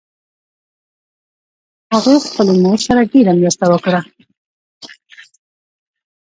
هغې خپلې مور سره ډېر مرسته وکړه